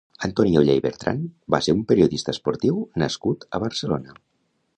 Antoni Ollé i Bertran va ser un periodista esportiu nascut a Barcelona.